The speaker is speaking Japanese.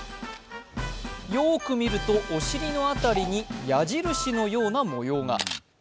よーく見ると、お尻の辺りに矢印のような模様が。